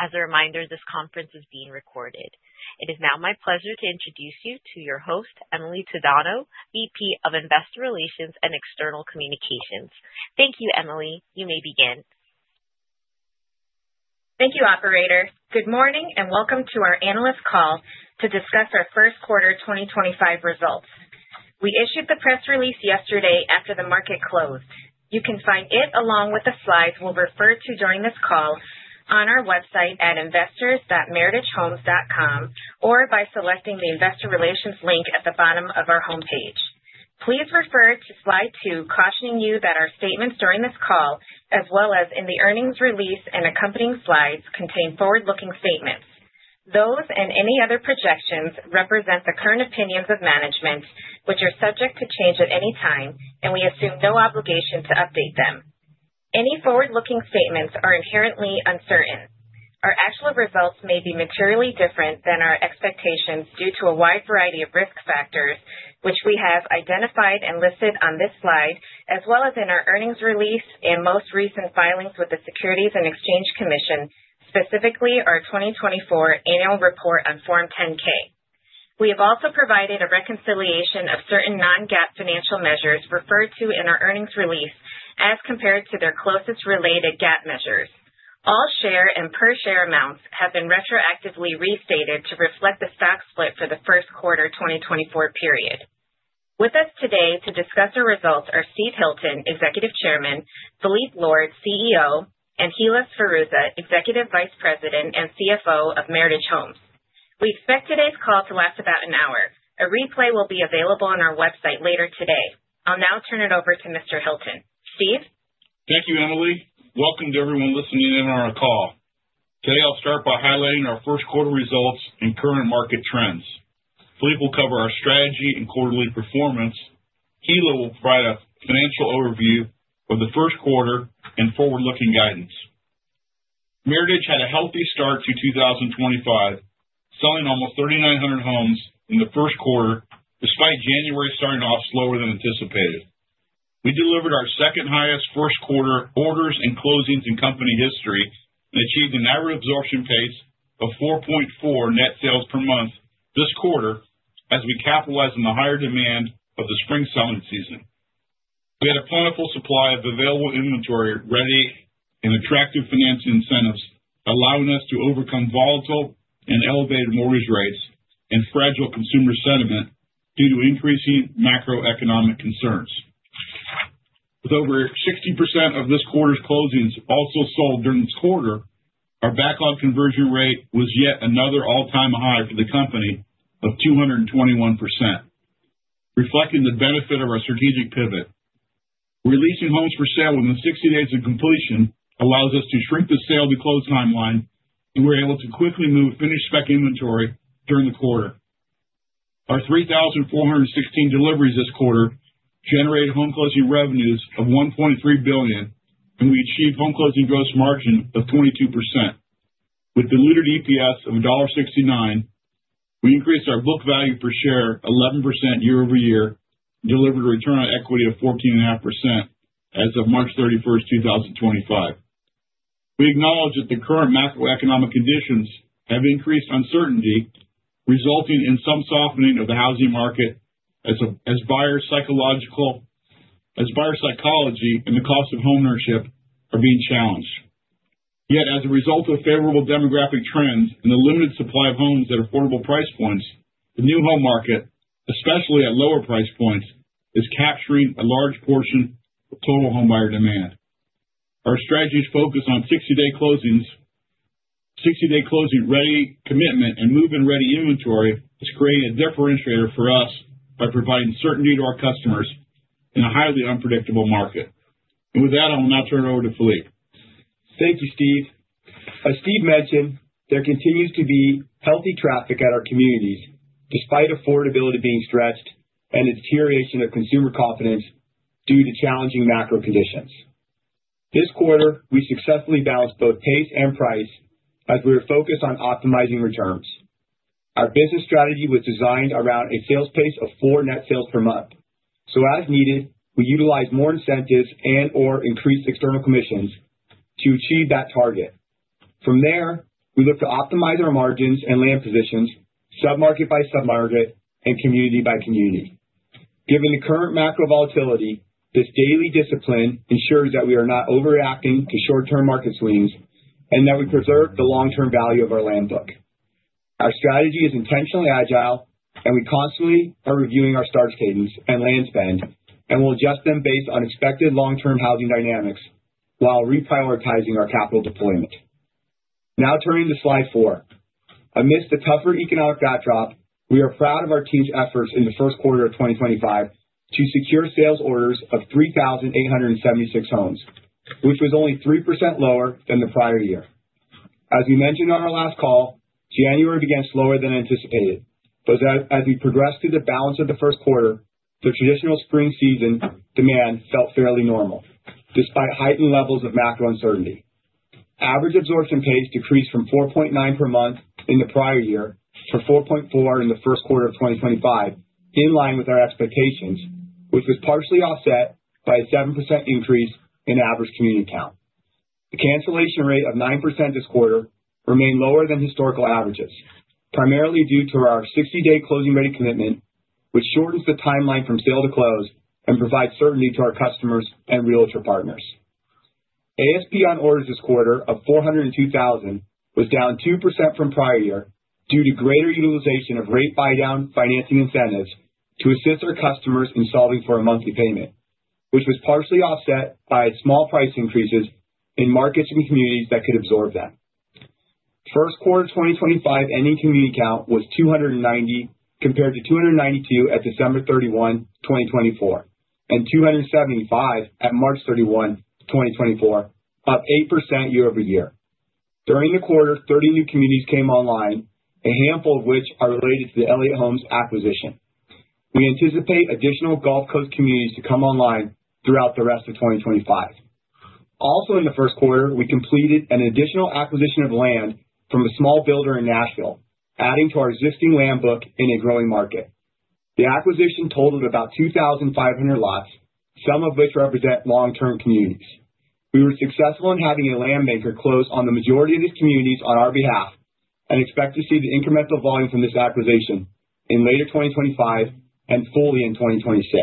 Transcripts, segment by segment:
As a reminder, this conference is being recorded. It is now my pleasure to introduce you to your host, Emily Tadano, Vice President of Investor Relations and External Communications. Thank you, Emily. You may begin. Thank you, Operator. Good morning and welcome to our Analyst Call to discuss our First Quarter 2025 Results. We issued the press release yesterday after the market closed. You can find it along with the slides we'll refer to during this call on our website at investors.meritagehomes.com or by selecting the Investor Relations link at the bottom of our homepage. Please refer to slide two cautioning you that our statements during this call, as well as in the earnings release and accompanying slides, contain forward-looking statements. Those and any other projections represent the current opinions of management, which are subject to change at any time, and we assume no obligation to update them. Any forward-looking statements are inherently uncertain. Our actual results may be materially different than our expectations due to a wide variety of risk factors, which we have identified and listed on this slide, as well as in our earnings release and most recent filings with the Securities and Exchange Commission, specifically our 2024 annual report on Form 10-K. We have also provided a reconciliation of certain non-GAAP financial measures referred to in our earnings release as compared to their closest related GAAP measures. All share and per-share amounts have been retroactively restated to reflect the stock split for the first quarter 2024 period. With us today to discuss our results are Steve Hilton, Executive Chairman, Phillippe Lord, CEO, and Hilla Sferruzza, Executive Vice President and CFO of Meritage Homes. We expect today's call to last about an hour. A replay will be available on our website later today. I'll now turn it over to Mr. Hilton. Steve? Thank you, Emily. Welcome to everyone listening in on our call. Today, I'll start by highlighting our first quarter results and current market trends. Phillippe will cover our strategy and quarterly performance. Hilla will provide a financial overview of the first quarter and forward-looking guidance. Meritage Homes had a healthy start to 2025, selling almost 3,900 homes in the first quarter, despite January starting off slower than anticipated. We delivered our second-highest first quarter orders and closings in company history and achieved an average absorption pace of 4.4 net sales per month this quarter as we capitalized on the higher demand of the spring selling season. We had a plentiful supply of available inventory ready and attractive financing incentives, allowing us to overcome volatile and elevated mortgage rates and fragile consumer sentiment due to increasing macroeconomic concerns. With over 60% of this quarter's closings also sold during this quarter, our backlog conversion rate was yet another all-time high for the company of 221%, reflecting the benefit of our strategic pivot. Releasing homes for sale within 60 days of completion allows us to shrink the sale-to-close timeline, and we're able to quickly move finished spec inventory during the quarter. Our 3,416 deliveries this quarter generated home closing revenues of $1.3 billion, and we achieved home closing gross margin of 22%. With diluted EPS of $1.69, we increased our book value per share 11% year over year and delivered a return on equity of 14.5% as of March 31, 2025. We acknowledge that the current macroeconomic conditions have increased uncertainty, resulting in some softening of the housing market as buyer psychology and the cost of homeownership are being challenged. Yet, as a result of favorable demographic trends and the limited supply of homes at affordable price points, the new home market, especially at lower price points, is capturing a large portion of total home buyer demand. Our strategy is focused on 60-day closing ready commitment and move-in ready inventory, which creates a differentiator for us by providing certainty to our customers in a highly unpredictable market. With that, I will now turn it over to Phillippe. Thank you, Steve. As Steve mentioned, there continues to be healthy traffic at our communities despite affordability being stretched and the deterioration of consumer confidence due to challenging macro conditions. This quarter, we successfully balanced both pace and price as we were focused on optimizing returns. Our business strategy was designed around a sales pace of four net sales per month. As needed, we utilized more incentives and/or increased external commissions to achieve that target. From there, we looked to optimize our margins and land positions sub-market by sub-market and community by community. Given the current macro volatility, this daily discipline ensures that we are not overreacting to short-term market swings and that we preserve the long-term value of our land book. Our strategy is intentionally agile, and we constantly are reviewing our starts cadence and land spend and will adjust them based on expected long-term housing dynamics while reprioritizing our capital deployment. Now turning to slide four. Amidst the tougher economic backdrop, we are proud of our team's efforts in the first quarter of 2025 to secure sales orders of 3,876 homes, which was only 3% lower than the prior year. As we mentioned on our last call, January began slower than anticipated, but as we progressed through the balance of the first quarter, the traditional spring season demand felt fairly normal despite heightened levels of macro uncertainty. Average absorption pace decreased from 4.9 per month in the prior year to 4.4 in the first quarter of 2025, in line with our expectations, which was partially offset by a 7% increase in average community count. The cancellation rate of 9% this quarter remained lower than historical averages, primarily due to our 60-day closing ready commitment, which shortens the timeline from sale to close and provides certainty to our customers and Realtor partners. ASP on orders this quarter of $402,000 was down 2% from prior year due to greater utilization of rate buydown financing incentives to assist our customers in solving for a monthly payment, which was partially offset by small price increases in markets and communities that could absorb them. First quarter 2025 ending community count was 290 compared to 292 at December 31, 2024, and 275 at March 31, 2024, up 8% year over year. During the quarter, 30 new communities came online, a handful of which are related to the Elliott Homes acquisition. We anticipate additional Gulf Coast communities to come online throughout the rest of 2025. Also, in the first quarter, we completed an additional acquisition of land from a small builder in Nashville, adding to our existing land book in a growing market. The acquisition totaled about 2,500 lots, some of which represent long-term communities. We were successful in having a land banker close on the majority of these communities on our behalf and expect to see the incremental volume from this acquisition in later 2025 and fully in 2026.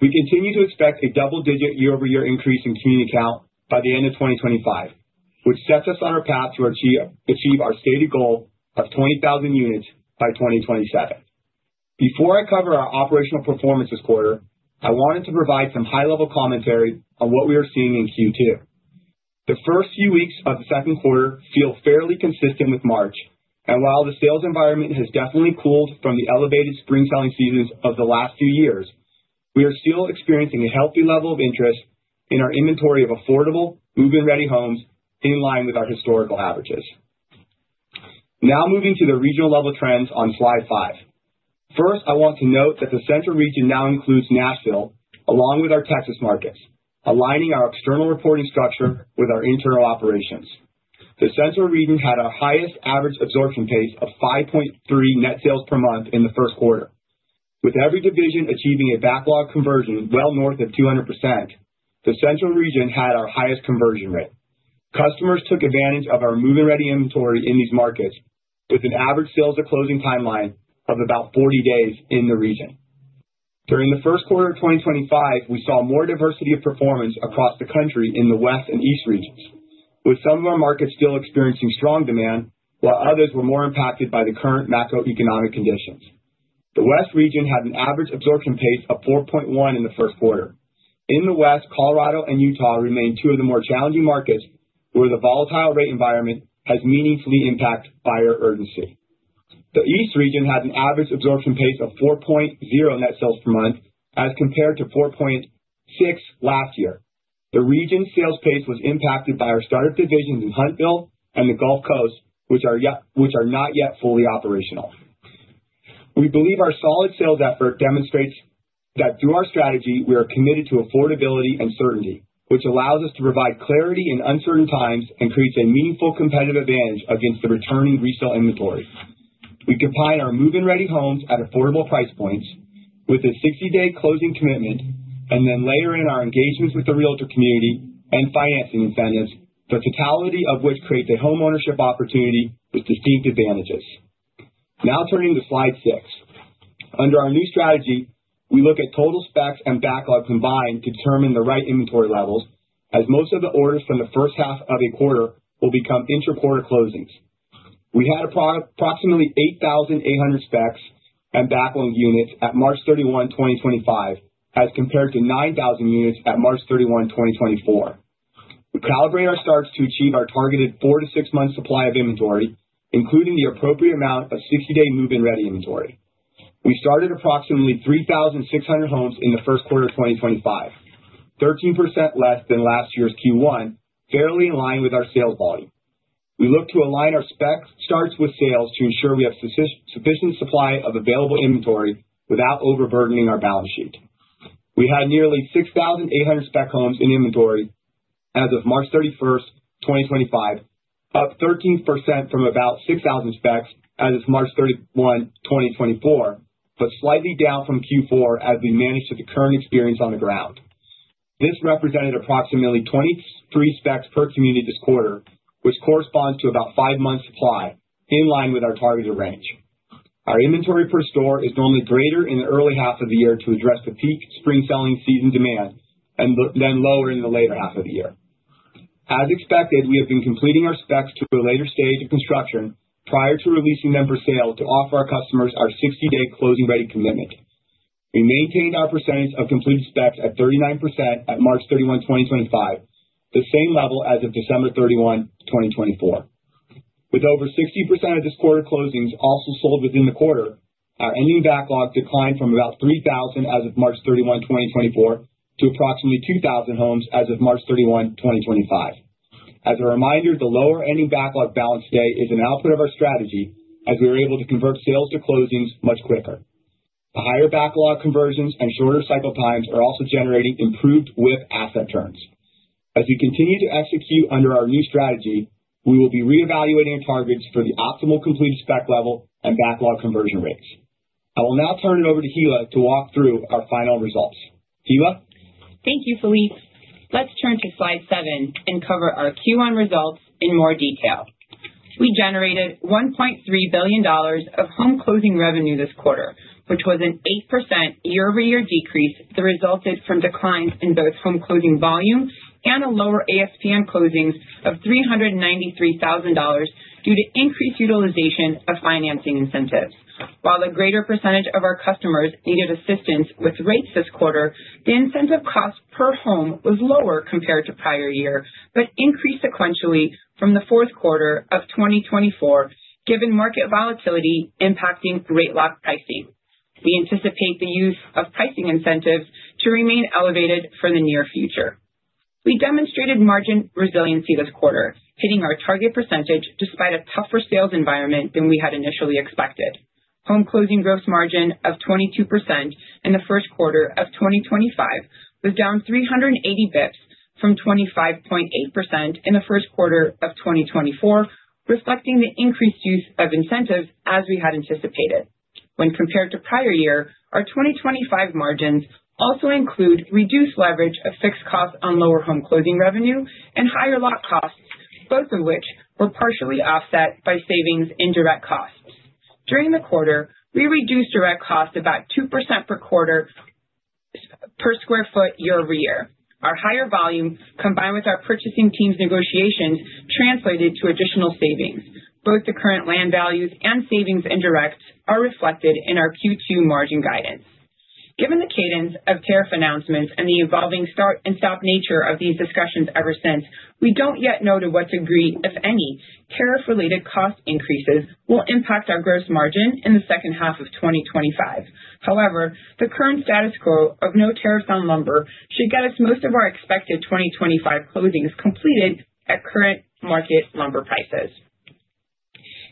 We continue to expect a double-digit year-over-year increase in community count by the end of 2025, which sets us on our path to achieve our stated goal of 20,000 units by 2027. Before I cover our operational performance this quarter, I wanted to provide some high-level commentary on what we are seeing in Q2. The first few weeks of the second quarter feel fairly consistent with March, and while the sales environment has definitely cooled from the elevated spring selling seasons of the last few years, we are still experiencing a healthy level of interest in our inventory of affordable move-in ready homes in line with our historical averages. Now moving to the regional level trends on slide five. First, I want to note that the Central region now includes Nashville along with our Texas markets, aligning our external reporting structure with our internal operations. The Central region had our highest average absorption pace of 5.3 net sales per month in the first quarter. With every division achieving a backlog conversion well north of 200%, the Central region had our highest conversion rate. Customers took advantage of our move-in ready inventory in these markets with an average sales-to-closing timeline of about 40 days in the region. During the first quarter of 2025, we saw more diversity of performance across the country in the West and East regions, with some of our markets still experiencing strong demand while others were more impacted by the current macroeconomic conditions. The West region had an average absorption pace of 4.1 in the first quarter. In the West, Colorado and Utah remain two of the more challenging markets where the volatile rate environment has meaningfully impacted buyer urgency. The East region had an average absorption pace of 4.0 net sales per month as compared to 4.6 last year. The region's sales pace was impacted by our startup divisions in Huntsville and the Gulf Coast, which are not yet fully operational. We believe our solid sales effort demonstrates that through our strategy, we are committed to affordability and certainty, which allows us to provide clarity in uncertain times and creates a meaningful competitive advantage against the returning resale inventory. We combine our move-in ready homes at affordable price points with a 60-day closing commitment and then layer in our engagements with the Realtor community and financing incentives, the totality of which creates a homeownership opportunity with distinct advantages. Now turning to slide six. Under our new strategy, we look at total specs and backlog combined to determine the right inventory levels, as most of the orders from the first half of a quarter will become intra-quarter closings. We had approximately 8,800 specs and backlog units at March 31, 2025, as compared to 9,000 units at March 31, 2024. We calibrate our starts to achieve our targeted four to six-month supply of inventory, including the appropriate amount of 60-day move-in ready inventory. We started approximately 3,600 homes in the first quarter of 2025, 13% less than last year's Q1, fairly in line with our sales volume. We look to align our starts with sales to ensure we have sufficient supply of available inventory without overburdening our balance sheet. We had nearly 6,800 spec homes in inventory as of March 31, 2025, up 13% from about 6,000 specs as of March 31, 2024, but slightly down from Q4 as we managed to the current experience on the ground. This represented approximately 23 specs per community this quarter, which corresponds to about five months' supply, in line with our targeted range. Our inventory per store is normally greater in the early half of the year to address the peak spring selling season demand and then lower in the later half of the year. As expected, we have been completing our specs to a later stage of construction prior to releasing them for sale to offer our customers our 60-day closing ready commitment. We maintained our percentage of completed specs at 39% at March 31, 2025, the same level as of December 31, 2024. With over 60% of this quarter closings also sold within the quarter, our ending backlog declined from about 3,000 as of March 31, 2024, to approximately 2,000 homes as of March 31, 2025. As a reminder, the lower ending backlog balance today is an output of our strategy as we were able to convert sales to closings much quicker. The higher backlog conversions and shorter cycle times are also generating improved WIP asset turns. As we continue to execute under our new strategy, we will be reevaluating our targets for the optimal completed spec level and backlog conversion rates. I will now turn it over to Hilla to walk through our final results. Hilla. Thank you, Phillippe. Let's turn to slide seven and cover our Q1 results in more detail. We generated $1.3 billion of home closing revenue this quarter, which was an 8% year-over-year decrease that resulted from declines in both home closing volume and a lower ASP on closings of $393,000 due to increased utilization of financing incentives. While a greater percentage of our customers needed assistance with rates this quarter, the incentive cost per home was lower compared to prior year but increased sequentially from the fourth quarter of 2024, given market volatility impacting rate lock pricing. We anticipate the use of pricing incentives to remain elevated for the near future. We demonstrated margin resiliency this quarter, hitting our target percentage despite a tougher sales environment than we had initially expected. Home closing gross margin of 22% in the first quarter of 2025 was down 380 basis points from 25.8% in the first quarter of 2024, reflecting the increased use of incentives as we had anticipated. When compared to prior year, our 2025 margins also include reduced leverage of fixed costs on lower home closing revenue and higher lock costs, both of which were partially offset by savings in direct costs. During the quarter, we reduced direct costs about 2% per quarter per sq ft year-over-year. Our higher volume combined with our purchasing team's negotiations translated to additional savings. Both the current land values and savings in directs are reflected in our Q2 margin guidance. Given the cadence of tariff announcements and the evolving start and stop nature of these discussions ever since, we do not yet know to what degree, if any, tariff-related cost increases will impact our gross margin in the second half of 2025. However, the current status quo of no tariffs on lumber should get us most of our expected 2025 closings completed at current market lumber prices.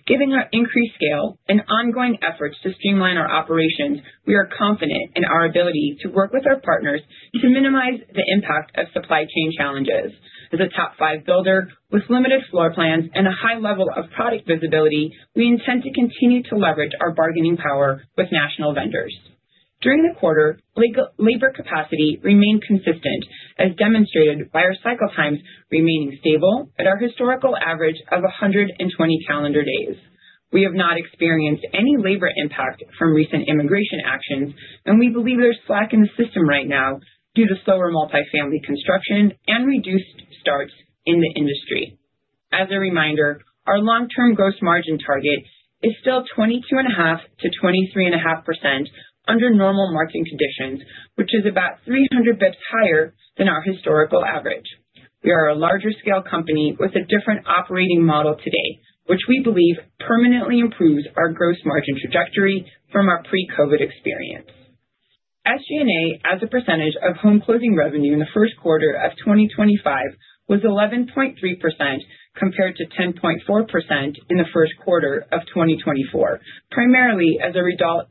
Given our increased scale and ongoing efforts to streamline our operations, we are confident in our ability to work with our partners to minimize the impact of supply chain challenges. As a top five builder with limited floor plans and a high level of product visibility, we intend to continue to leverage our bargaining power with national vendors. During the quarter, labor capacity remained consistent, as demonstrated by our cycle times remaining stable at our historical average of 120 calendar days. We have not experienced any labor impact from recent immigration actions, and we believe there's slack in the system right now due to slower multifamily construction and reduced starts in the industry. As a reminder, our long-term gross margin target is still 22.5%-23.5% under normal market conditions, which is about 300 basis points higher than our historical average. We are a larger-scale company with a different operating model today, which we believe permanently improves our gross margin trajectory from our pre-COVID experience. SG&A, as a percentage of home closing revenue in the first quarter of 2025, was 11.3% compared to 10.4% in the first quarter of 2024, primarily as a result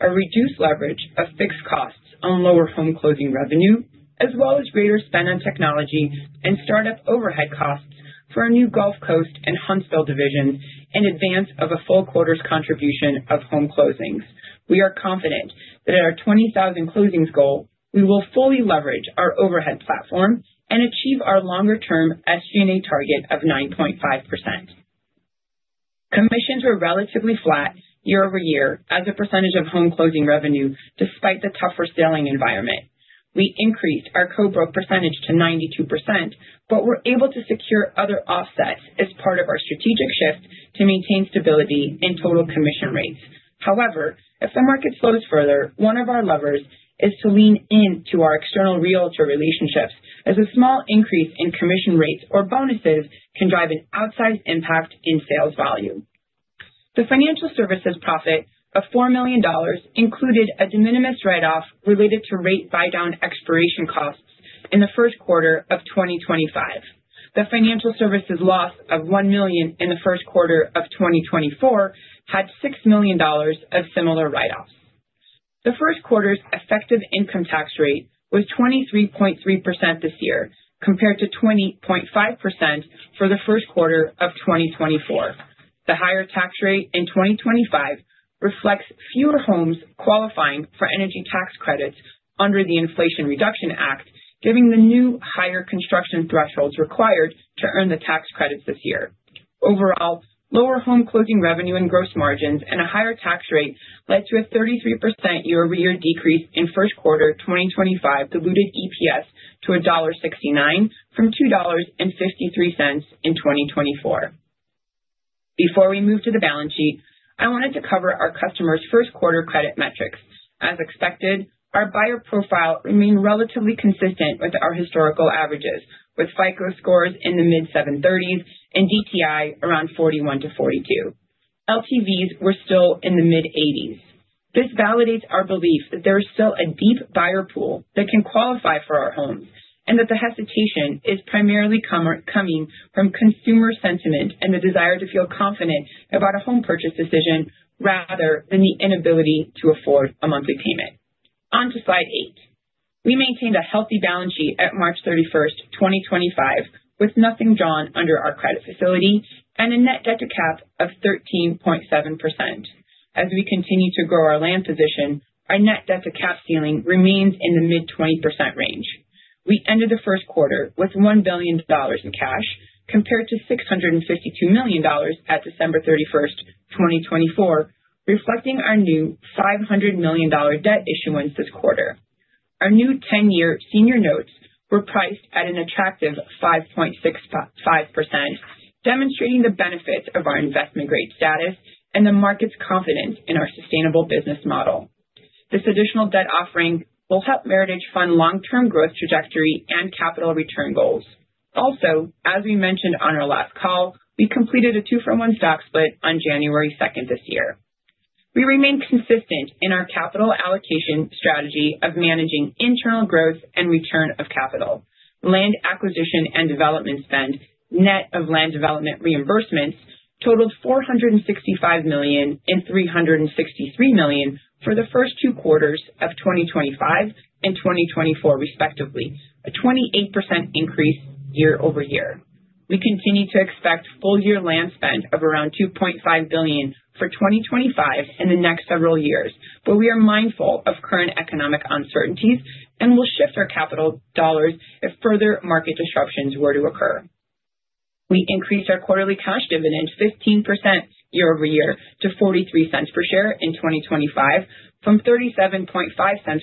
of a reduced leverage of fixed costs on lower home closing revenue, as well as greater spend on technology and startup overhead costs for our new Gulf Coast and Huntsville divisions in advance of a full quarter's contribution of home closings. We are confident that at our 20,000 closings goal, we will fully leverage our overhead platform and achieve our longer-term SG&A target of 9.5%. Commissions were relatively flat year-over-year as a percentage of home closing revenue, despite the tougher selling environment. We increased our co-broke percentage to 92%, but were able to secure other offsets as part of our strategic shift to maintain stability in total commission rates. However, if the market slows further, one of our levers is to lean into our external Realtor relationships, as a small increase in commission rates or bonuses can drive an outsized impact in sales value. The financial services profit of $4 million included a de minimis write-off related to rate buydown expiration costs in the first quarter of 2025. The financial services loss of $1 million in the first quarter of 2024 had $6 million of similar write-offs. The first quarter's effective income tax rate was 23.3% this year compared to 20.5% for the first quarter of 2024. The higher tax rate in 2025 reflects fewer homes qualifying for energy tax credits under the Inflation Reduction Act, given the new higher construction thresholds required to earn the tax credits this year. Overall, lower home closing revenue and gross margins and a higher tax rate led to a 33% year-over-year decrease in first quarter 2025 diluted EPS to $1.69 from $2.53 in 2024. Before we move to the balance sheet, I wanted to cover our customers' first quarter credit metrics. As expected, our buyer profile remained relatively consistent with our historical averages, with FICO scores in the mid-730s and DTI around 41-42. LTVs were still in the mid-80s. This validates our belief that there is still a deep buyer pool that can qualify for our homes and that the hesitation is primarily coming from consumer sentiment and the desire to feel confident about a home purchase decision rather than the inability to afford a monthly payment. On to slide eight. We maintained a healthy balance sheet at March 31, 2025, with nothing drawn under our credit facility and a net debt-to-cap of 13.7%. As we continue to grow our land position, our net debt-to-cap ceiling remains in the mid-20% range. We ended the first quarter with $1 billion in cash compared to $652 million at December 31, 2024, reflecting our new $500 million debt issuance this quarter. Our new 10-year senior notes were priced at an attractive 5.65%, demonstrating the benefits of our investment-grade status and the market's confidence in our sustainable business model. This additional debt offering will help Meritage fund long-term growth trajectory and capital return goals. Also, as we mentioned on our last call, we completed a two-for-one stock split on January 2nd this year. We remain consistent in our capital allocation strategy of managing internal growth and return of capital. Land acquisition and development spend net of land development reimbursements totaled $465 million and $363 million for the first two quarters of 2025 and 2024, respectively, a 28% increase year-over-year. We continue to expect full-year land spend of around $2.5 billion for 2025 and the next several years, but we are mindful of current economic uncertainties and will shift our capital dollars if further market disruptions were to occur. We increased our quarterly cash dividend 15% year-over-year to $0.43 per share in 2025 from $0.375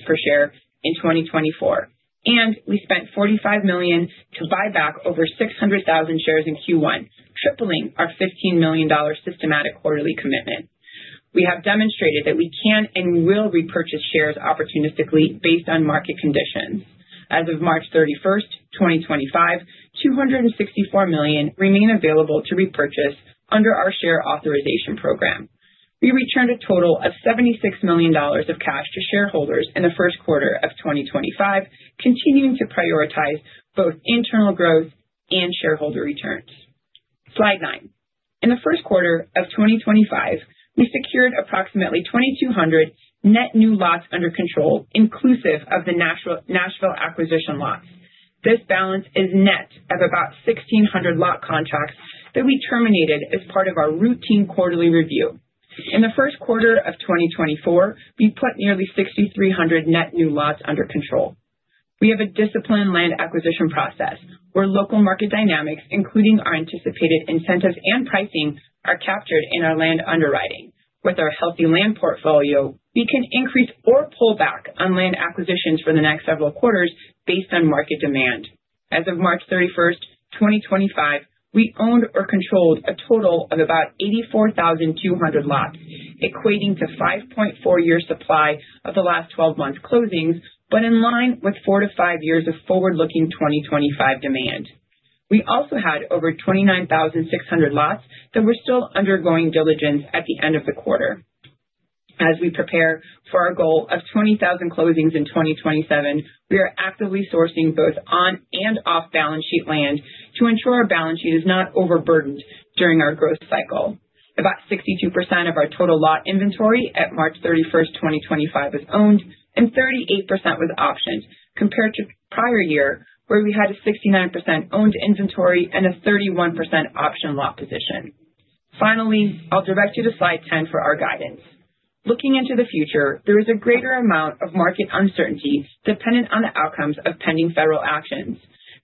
per share in 2024, and we spent $45 million to buy back over 600,000 shares in Q1, tripling our $15 million systematic quarterly commitment. We have demonstrated that we can and will repurchase shares opportunistically based on market conditions. As of March 31, 2025, $264 million remained available to repurchase under our share authorization program. We returned a total of $76 million of cash to shareholders in the first quarter of 2025, continuing to prioritize both internal growth and shareholder returns. Slide nine. In the first quarter of 2025, we secured approximately 2,200 net new lots under control, inclusive of the Nashville acquisition lots. This balance is net of about 1,600 lot contracts that we terminated as part of our routine quarterly review. In the first quarter of 2024, we put nearly 6,300 net new lots under control. We have a disciplined land acquisition process where local market dynamics, including our anticipated incentives and pricing, are captured in our land underwriting. With our healthy land portfolio, we can increase or pull back on land acquisitions for the next several quarters based on market demand. As of March 31, 2025, we owned or controlled a total of about 84,200 lots, equating to a 5.4-year supply of the last 12 months' closings, but in line with four to five years of forward-looking 2025 demand. We also had over 29,600 lots that were still undergoing diligence at the end of the quarter. As we prepare for our goal of 20,000 closings in 2027, we are actively sourcing both on and off-balance sheet land to ensure our balance sheet is not overburdened during our growth cycle. About 62% of our total lot inventory at March 31, 2025, was owned, and 38% was optioned, compared to prior year, where we had a 69% owned inventory and a 31% option lot position. Finally, I'll direct you to slide 10 for our guidance. Looking into the future, there is a greater amount of market uncertainty dependent on the outcomes of pending federal actions.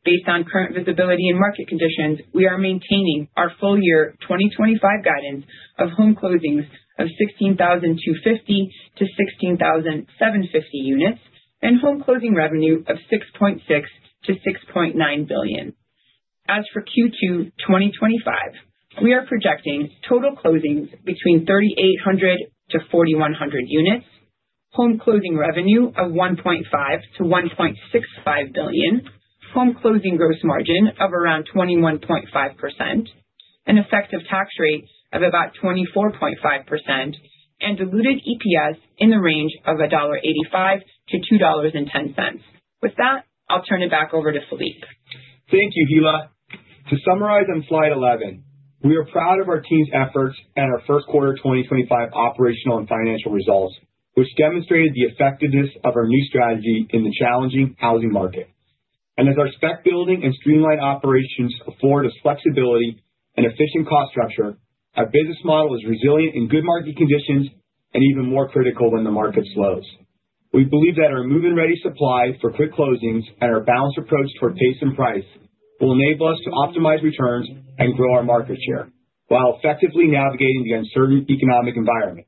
Based on current visibility and market conditions, we are maintaining our full-year 2025 guidance of home closings of 16,250-16,750 units and home closing revenue of $6.6 billion-$6.9 billion. As for Q2 2025, we are projecting total closings between 3,800-4,100 units, home closing revenue of $1.5 billion-$1.65 billion, home closing gross margin of around 21.5%, an effective tax rate of about 24.5%, and diluted EPS in the range of $1.85-$2.10. With that, I'll turn it back over to Phillippe. Thank you, Hilla. To summarize on slide 11, we are proud of our team's efforts and our first quarter 2025 operational and financial results, which demonstrated the effectiveness of our new strategy in the challenging housing market. As our spec-building and streamlined operations afford us flexibility and efficient cost structure, our business model is resilient in good market conditions and even more critical when the market slows. We believe that our move-in ready supply for quick closings and our balanced approach toward pace and price will enable us to optimize returns and grow our market share while effectively navigating the uncertain economic environment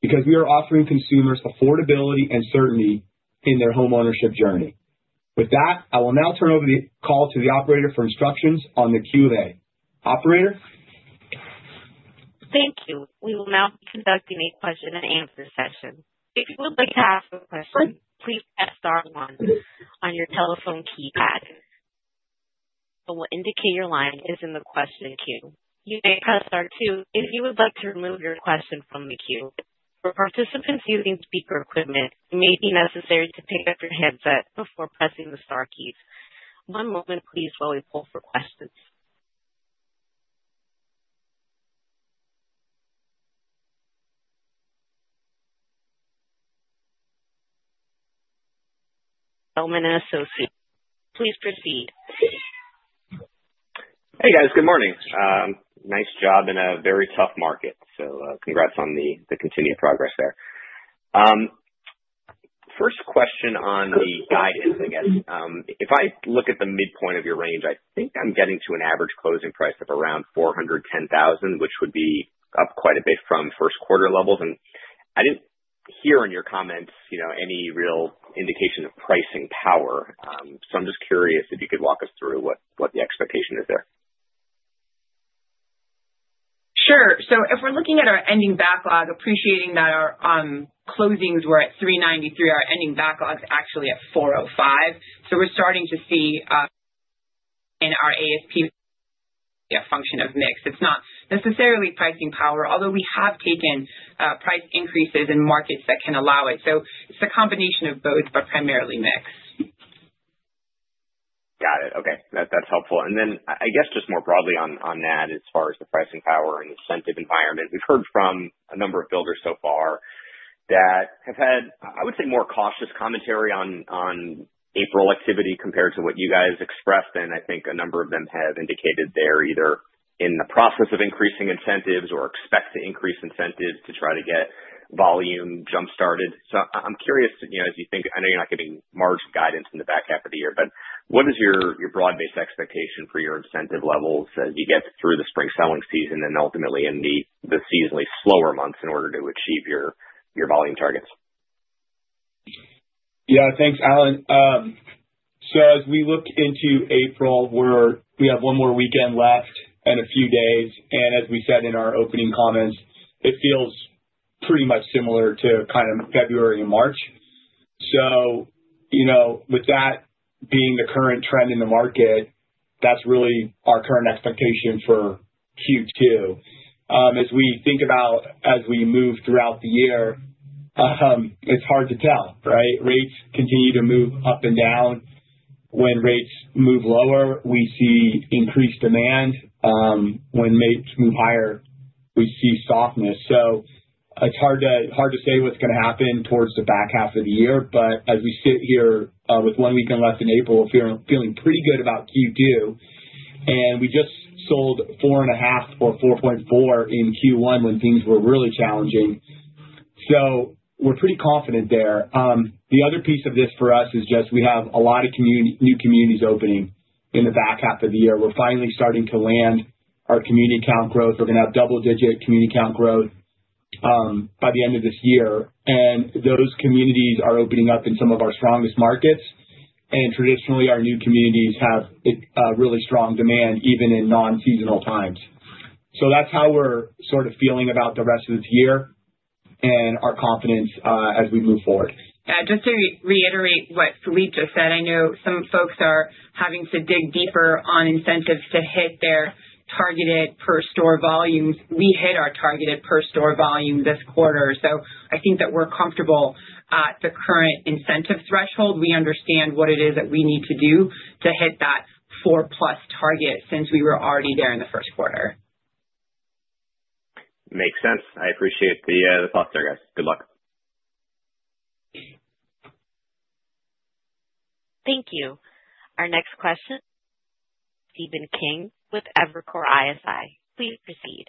because we are offering consumers affordability and certainty in their homeownership journey. With that, I will now turn over the call to the operator for instructions on the Q&A. Operator. Thank you. We will now be conducting a question-and-answer session. If you would like to ask a question, please press star one on your telephone keypad. We will indicate your line is in the question queue. You may press star two if you would like to remove your question from the queue. For participants using speaker equipment, it may be necessary to pick up your headset before pressing the star keys. One moment, please, while we pull for questions. Zelman & Associates. Please proceed. Hey, guys. Good morning. Nice job in a very tough market. Congrats on the continued progress there. First question on the guidance, I guess. If I look at the midpoint of your range, I think I'm getting to an average closing price of around $410,000, which would be up quite a bit from first quarter levels. I did not hear in your comments any real indication of pricing power. I am just curious if you could walk us through what the expectation is there. Sure. If we are looking at our ending backlog, appreciating that our closings were at $393,000, our ending backlog is actually at $405,000. We're starting to see in our ASP function of mix. It's not necessarily pricing power, although we have taken price increases in markets that can allow it. It's a combination of both, but primarily mix. Got it. Okay. That's helpful. I guess just more broadly on that, as far as the pricing power and incentive environment, we've heard from a number of builders so far that have had, I would say, more cautious commentary on April activity compared to what you guys expressed. I think a number of them have indicated they're either in the process of increasing incentives or expect to increase incentives to try to get volume jump-started. I'm curious, as you think, I know you're not giving March guidance in the back half of the year, but what is your broad-based expectation for your incentive levels as you get through the spring selling season and ultimately in the seasonally slower months in order to achieve your volume targets? Yeah. Thanks, Alan. As we look into April, we have one more weekend left and a few days. As we said in our opening comments, it feels pretty much similar to kind of February and March. With that being the current trend in the market, that's really our current expectation for Q2. As we think about as we move throughout the year, it's hard to tell, right? Rates continue to move up and down. When rates move lower, we see increased demand. When rates move higher, we see softness. It's hard to say what's going to happen towards the back half of the year. As we sit here with one weekend left in April, feeling pretty good about Q2. We just sold four and a half or 4.4 in Q1 when things were really challenging. We're pretty confident there. The other piece of this for us is just we have a lot of new communities opening in the back half of the year. We're finally starting to land our community count growth. We're going to have double-digit community count growth by the end of this year. Those communities are opening up in some of our strongest markets. Traditionally, our new communities have really strong demand, even in non-seasonal times. That's how we're sort of feeling about the rest of this year and our confidence as we move forward. Yeah. Just to reiterate what Phillippe just said, I know some folks are having to dig deeper on incentives to hit their targeted per-store volumes. We hit our targeted per-store volume this quarter. I think that we're comfortable at the current incentive threshold. We understand what it is that we need to do to hit that four-plus target since we were already there in the first quarter. Makes sense. I appreciate the thoughts there, guys. Good luck. Thank you. Our next question, Stephen Kim with Evercore ISI. Please proceed.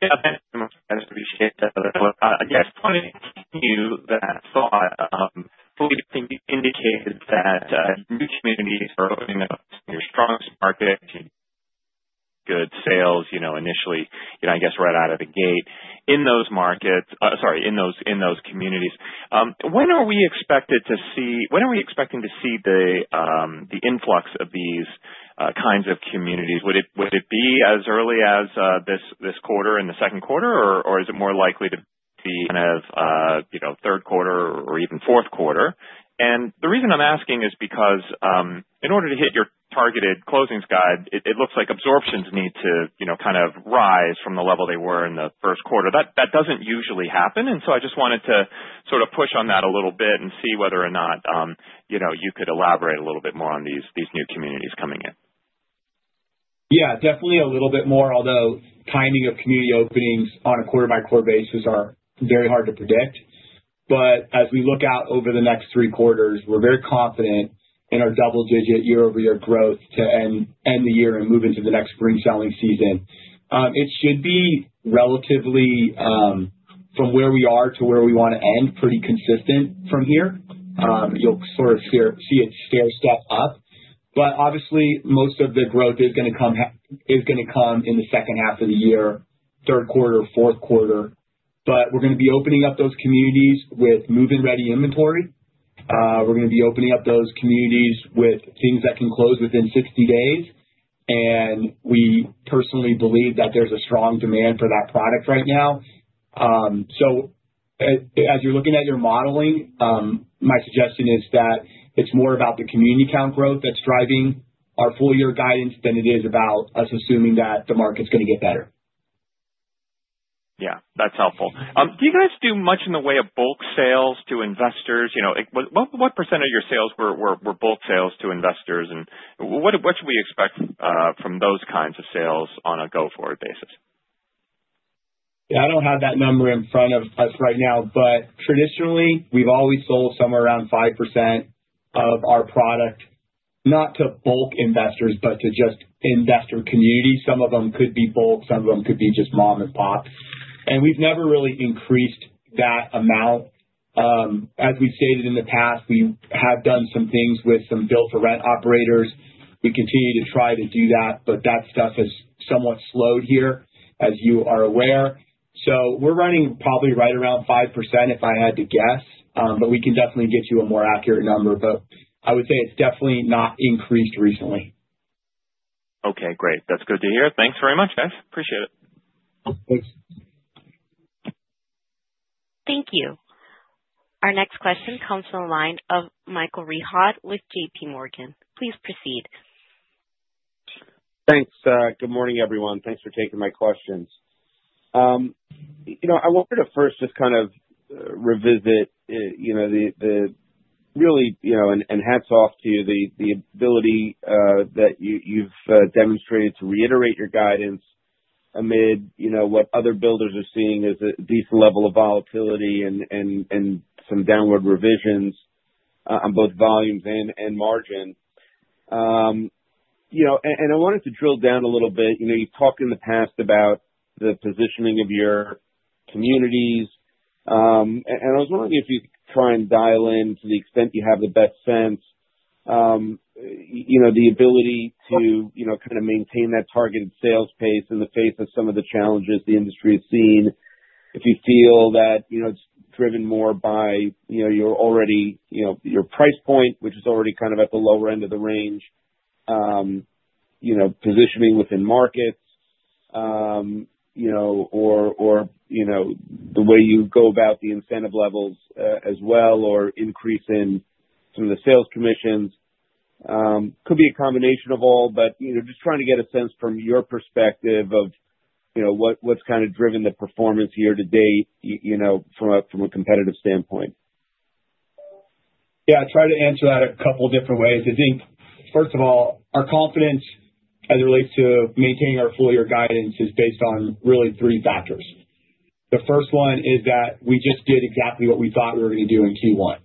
Yeah. Thanks, Emily. I just appreciate that. I guess, want to continue that thought. Phillippe, you indicated that new communities are opening up in your strongest market, good sales initially, I guess, right out of the gate in those markets, sorry, in those communities. When are we expected to see, when are we expecting to see the influx of these kinds of communities? Would it be as early as this quarter and the second quarter, or is it more likely to be kind of third quarter or even fourth quarter? The reason I'm asking is because in order to hit your targeted closings guide, it looks like absorptions need to kind of rise from the level they were in the first quarter. That does not usually happen. I just wanted to sort of push on that a little bit and see whether or not you could elaborate a little bit more on these new communities coming in. Yeah. Definitely a little bit more, although timing of community openings on a quarter-by-quarter basis is very hard to predict. As we look out over the next three quarters, we're very confident in our double-digit year-over-year growth to end the year and move into the next spring selling season. It should be relatively, from where we are to where we want to end, pretty consistent from here. You'll sort of see it stair-step up. Obviously, most of the growth is going to come in the second half of the year, third quarter, fourth quarter. We're going to be opening up those communities with move-in ready inventory. We're going to be opening up those communities with things that can close within 60 days. We personally believe that there's a strong demand for that product right now. As you're looking at your modeling, my suggestion is that it's more about the community count growth that's driving our full-year guidance than it is about us assuming that the market's going to get better. Yeah. That's helpful. Do you guys do much in the way of bulk sales to investors? What % of your sales were bulk sales to investors? And what should we expect from those kinds of sales on a go-forward basis? Yeah. I don't have that number in front of us right now. Traditionally, we've always sold somewhere around 5% of our product, not to bulk investors, but to just investor communities. Some of them could be bulk. Some of them could be just mom-and-pop. We've never really increased that amount. As we've stated in the past, we have done some things with some build-for-rent operators. We continue to try to do that, but that stuff has somewhat slowed here, as you are aware. We're running probably right around 5%, if I had to guess. We can definitely get you a more accurate number. I would say it's definitely not increased recently. Okay. Great. That's good to hear. Thanks very much, guys. Appreciate it. Thanks. Thank you. Our next question comes from the line of Michael Rehaut with JPMorgan. Please proceed. Thanks. Good morning, everyone. Thanks for taking my questions. I wanted to first just kind of revisit the really, and hats off to you, the ability that you've demonstrated to reiterate your guidance amid what other builders are seeing is a decent level of volatility and some downward revisions on both volumes and margin. I wanted to drill down a little bit. You've talked in the past about the positioning of your communities. I was wondering if you could try and dial in, to the extent you have the best sense, the ability to kind of maintain that targeted sales pace in the face of some of the challenges the industry is seeing, if you feel that it's driven more by your price point, which is already kind of at the lower end of the range, positioning within markets, or the way you go about the incentive levels as well, or increase in some of the sales commissions. It could be a combination of all, but just trying to get a sense from your perspective of what's kind of driven the performance year to date from a competitive standpoint. Yeah. I'll try to answer that a couple of different ways. I think, first of all, our confidence as it relates to maintaining our full-year guidance is based on really three factors. The first one is that we just did exactly what we thought we were going to do in Q1.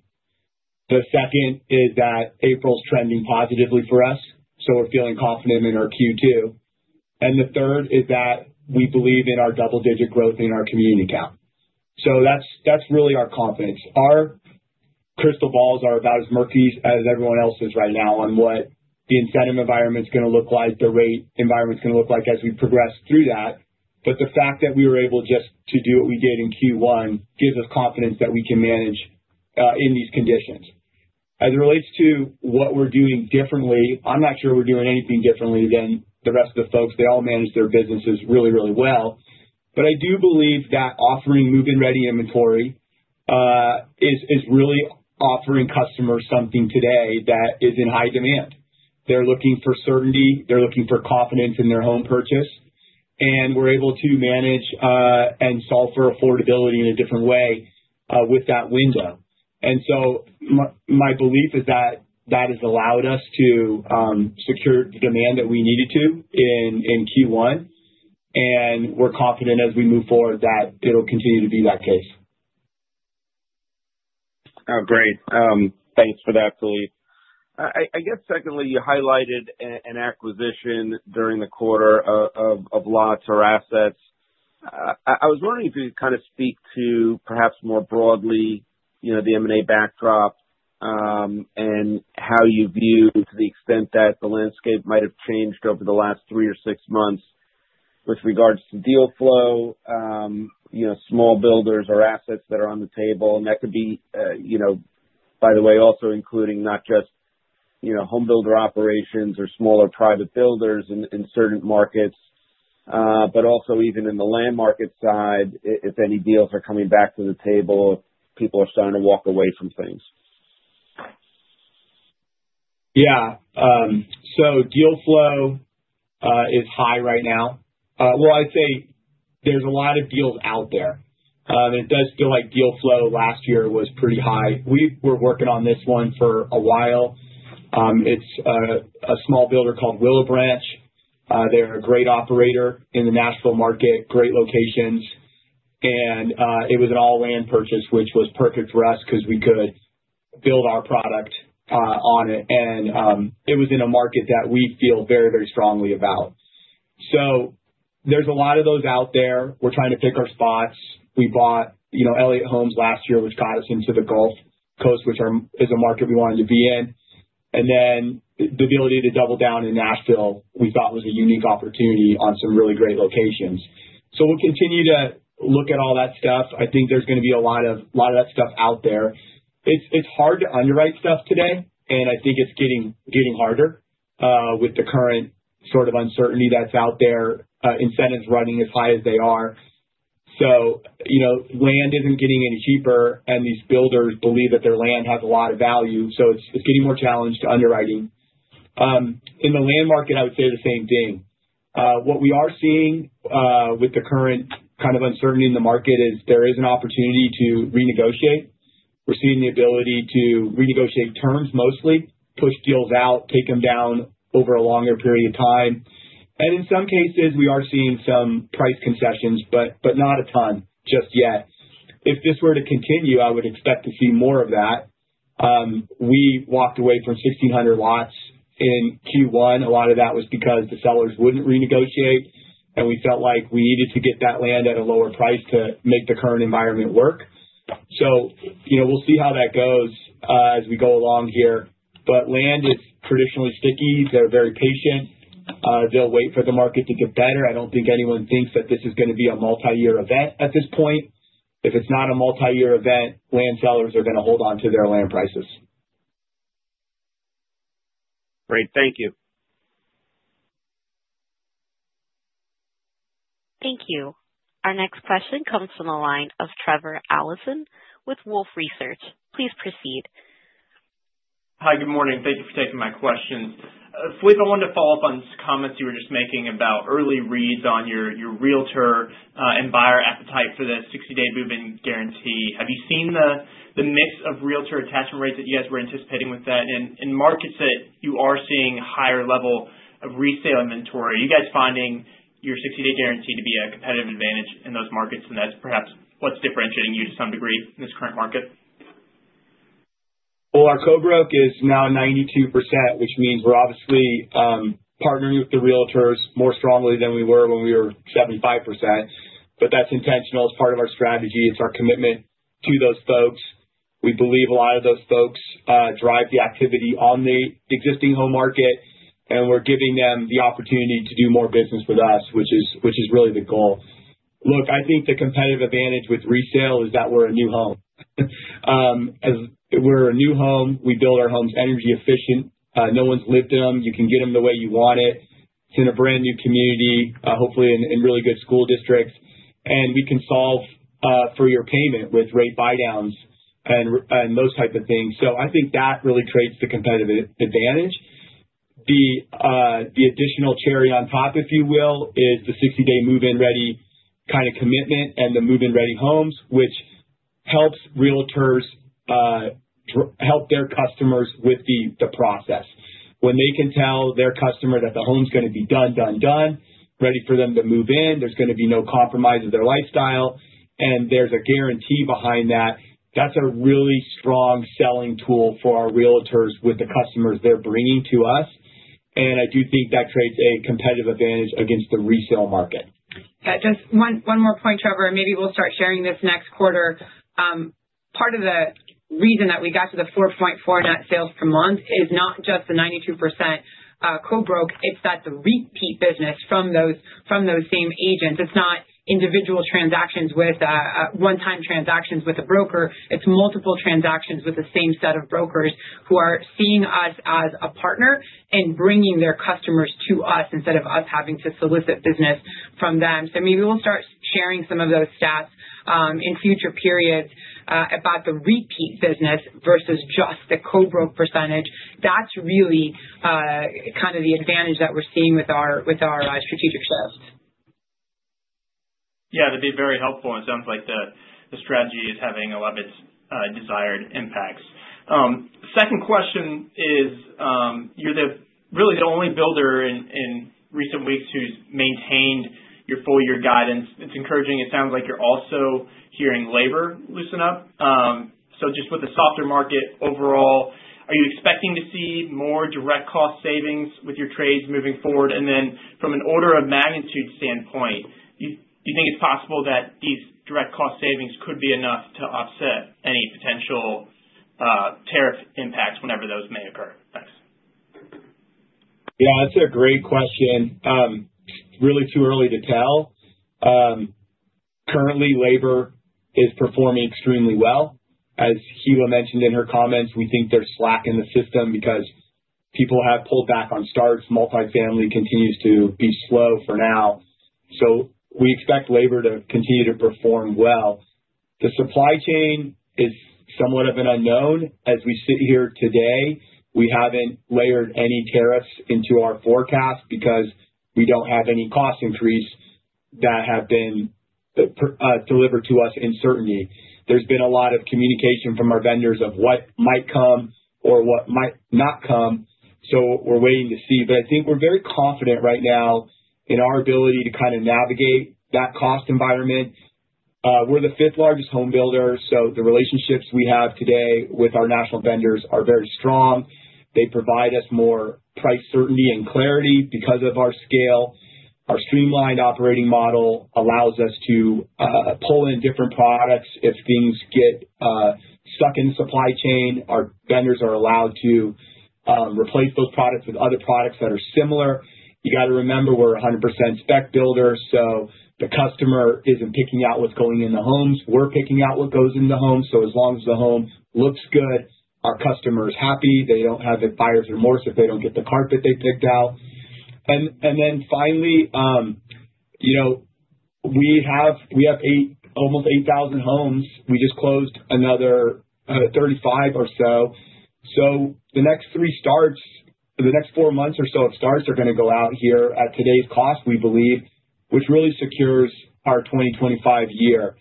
The second is that April's trending positively for us, so we're feeling confident in our Q2. The third is that we believe in our double-digit growth in our community count. That is really our confidence. Our crystal balls are about as murky as everyone else's right now on what the incentive environment's going to look like, the rate environment's going to look like as we progress through that. The fact that we were able just to do what we did in Q1 gives us confidence that we can manage in these conditions. As it relates to what we're doing differently, I'm not sure we're doing anything differently than the rest of the folks. They all manage their businesses really, really well. I do believe that offering move-in ready inventory is really offering customers something today that is in high demand. They're looking for certainty. They're looking for confidence in their home purchase. We're able to manage and solve for affordability in a different way with that window. My belief is that that has allowed us to secure the demand that we needed to in Q1. We're confident as we move forward that it'll continue to be that case. Oh, great. Thanks for that, Phillippe. I guess, secondly, you highlighted an acquisition during the quarter of lots or assets. I was wondering if you could kind of speak to, perhaps more broadly, the M&A backdrop and how you view to the extent that the landscape might have changed over the last three or six months with regards to deal flow, small builders or assets that are on the table. That could be, by the way, also including not just home builder operations or smaller private builders in certain markets, but also even in the land market side, if any deals are coming back to the table, if people are starting to walk away from things. Yeah. Deal flow is high right now. I'd say there's a lot of deals out there. It does feel like deal flow last year was pretty high. We were working on this one for a while. It's a small builder called Willow Branch. They're a great operator in the Nashville market, great locations. It was an all-land purchase, which was perfect for us because we could build our product on it. It was in a market that we feel very, very strongly about. There are a lot of those out there. We're trying to pick our spots. We bought Elliott Homes last year, which got us into the Gulf Coast, which is a market we wanted to be in. The ability to double down in Nashville, we thought was a unique opportunity on some really great locations. We will continue to look at all that stuff. I think there is going to be a lot of that stuff out there. It's hard to underwrite stuff today. I think it's getting harder with the current sort of uncertainty that's out there, incentives running as high as they are. Land isn't getting any cheaper, and these builders believe that their land has a lot of value. It is getting more challenged to underwriting. In the land market, I would say the same thing. What we are seeing with the current kind of uncertainty in the market is there is an opportunity to renegotiate. We are seeing the ability to renegotiate terms mostly, push deals out, take them down over a longer period of time. In some cases, we are seeing some price concessions, but not a ton just yet. If this were to continue, I would expect to see more of that. We walked away from 1,600 lots in Q1. A lot of that was because the sellers would not renegotiate. We felt like we needed to get that land at a lower price to make the current environment work. We'll see how that goes as we go along here. Land is traditionally sticky. They're very patient. They'll wait for the market to get better. I don't think anyone thinks that this is going to be a multi-year event at this point. If it's not a multi-year event, land sellers are going to hold on to their land prices. Great. Thank you. Thank you. Our next question comes from the line of Trevor Allinson with Wolfe Research. Please proceed. Hi. Good morning. Thank you for taking my questions. Phillippe, I wanted to follow up on some comments you were just making about early reads on your Realtor and buyer appetite for the 60-day move-in guarantee. Have you seen the mix of Realtor attachment rates that you guys were anticipating with that? In markets that you are seeing higher level of resale inventory, are you guys finding your 60-day guarantee to be a competitive advantage in those markets? Is that perhaps what's differentiating you to some degree in this current market? Our co-broke is now 92%, which means we're obviously partnering with the Realtors more strongly than we were when we were 75%. That is intentional. It's part of our strategy. It's our commitment to those folks. We believe a lot of those folks drive the activity on the existing home market. We're giving them the opportunity to do more business with us, which is really the goal. I think the competitive advantage with resale is that we're a new home. We're a new home. We build our homes energy efficient. No one's lived in them. You can get them the way you want it. It's in a brand new community, hopefully in really good school districts. We can solve for your payment with rate buydowns and those types of things. I think that really creates the competitive advantage. The additional cherry on top, if you will, is the 60-day move-in ready kind of commitment and the move-in ready homes, which helps Realtors help their customers with the process. When they can tell their customer that the home's going to be done, done, done, ready for them to move in, there's going to be no compromise of their lifestyle, and there's a guarantee behind that, that's a really strong selling tool for our Realtors with the customers they're bringing to us. I do think that creates a competitive advantage against the resale market. One more point, Trevor. Maybe we'll start sharing this next quarter. Part of the reason that we got to the 4.4 net sales per month is not just the 92% co-broke. It's that the repeat business from those same agents. It's not individual transactions with one-time transactions with a broker. It's multiple transactions with the same set of brokers who are seeing us as a partner and bringing their customers to us instead of us having to solicit business from them. Maybe we'll start sharing some of those stats in future periods about the repeat business versus just the co-broke percentage. That's really kind of the advantage that we're seeing with our strategic shifts. Yeah. That'd be very helpful. It sounds like the strategy is having a lot of its desired impacts. Second question is you're really the only builder in recent weeks who's maintained your full-year guidance. It's encouraging. It sounds like you're also hearing labor loosen up. Just with the softer market overall, are you expecting to see more direct cost savings with your trades moving forward? From an order of magnitude standpoint, do you think it's possible that these direct cost savings could be enough to offset any potential tariff impacts whenever those may occur? Thanks. Yeah. That's a great question. Really too early to tell. Currently, labor is performing extremely well. As Hilla mentioned in her comments, we think there's slack in the system because people have pulled back on starts. Multifamily continues to be slow for now. We expect labor to continue to perform well. The supply chain is somewhat of an unknown. As we sit here today, we haven't layered any tariffs into our forecast because we don't have any cost increase that has been delivered to us in certainty. There's been a lot of communication from our vendors of what might come or what might not come. We're waiting to see. I think we're very confident right now in our ability to kind of navigate that cost environment. We're the fifth largest homebuilder. The relationships we have today with our national vendors are very strong. They provide us more price certainty and clarity because of our scale. Our streamlined operating model allows us to pull in different products. If things get stuck in the supply chain, our vendors are allowed to replace those products with other products that are similar. You got to remember we're a 100% spec builder. The customer isn't picking out what's going in the homes. We're picking out what goes in the homes. As long as the home looks good, our customer is happy. They do not have to buy or remorse if they do not get the carpet they picked out. Finally, we have almost 8,000 homes. We just closed another 35 or so. The next three starts, the next four months or so of starts are going to go out here at today's cost, we believe, which really secures our 2025 year.